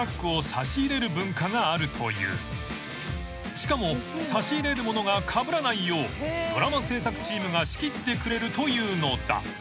［しかも差し入れるものがかぶらないようドラマ制作チームが仕切ってくれるというのだ］